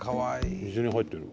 水に入ってる。